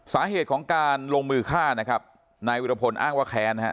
สาเหตุของการลงมือฆ่านายวิทยาพนธ์อ้างว่าแค้น